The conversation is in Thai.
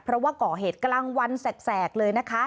เพราะว่าก่อเหตุกลางวันแสกเลยนะคะ